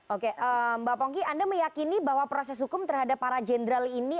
oke mbak pongki anda meyakini bahwa proses hukum terhadap para jenderal ini